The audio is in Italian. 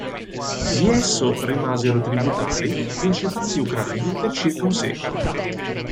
Di esso rimasero tributari i principati ucraini per circa un secolo.